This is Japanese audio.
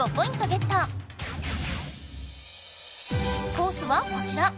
コースはこちら！